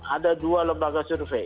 ada dua lembaga survei